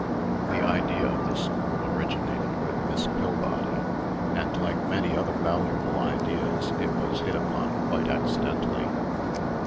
The idea of this school originated with Miss Pillbody; and, like many other valuable ideas, it was hit upon quite accidentally.